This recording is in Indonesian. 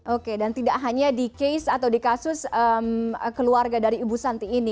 oke dan tidak hanya di case atau di kasus keluarga dari ibu santi ini